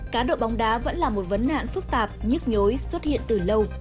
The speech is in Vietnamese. cá độ bóng đá vẫn là một vấn nạn phức tạp nhức nhối xuất hiện từ lâu